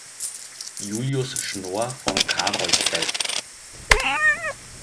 Julius Schnoor von Carolsfeld